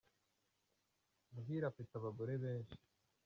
Muhire afite abagore benshi.